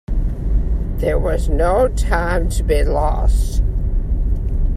There was no time to be lost.